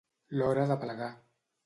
L'hora de plegar.